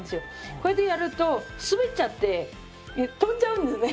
こうやってやると滑っちゃって飛んじゃうんですね。